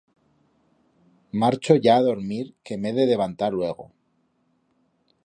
Marcho ya a dormir que m'he de devantar luego.